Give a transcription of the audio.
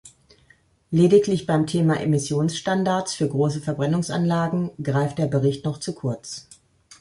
Lediglich beim Thema Emissionsstandards für große Verbrennungsanlagen greift der Bericht noch zu kurz.